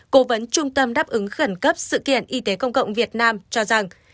cố vấn trung tâm đáp ứng khẩn cấp sự kiện y tế công cộng việt nam cho rằng